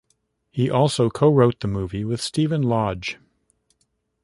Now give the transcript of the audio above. He also co-wrote the movie with Stephen Lodge.